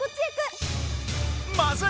まずい！